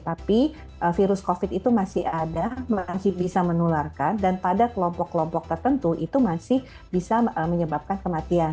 tapi virus covid itu masih ada masih bisa menularkan dan pada kelompok kelompok tertentu itu masih bisa menyebabkan kematian